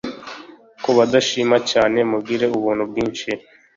kubadashima cyane, mugire ubuntu bwinshi